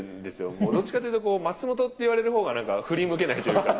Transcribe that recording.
もうどっちかって言うと、松元って言われるほうがなんか振り向けないというか。